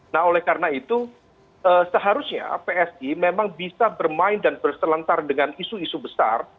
nah oleh karena itu seharusnya psi memang bisa bermain dan berselantar dengan isu isu besar